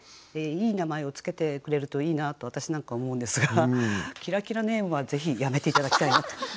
いい名前を付けてくれるといいなと私なんかは思うんですがキラキラネームはぜひやめて頂きたいなと。